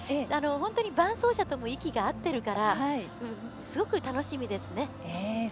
本当に伴走者とも息が合ってるからすごく楽しみですね。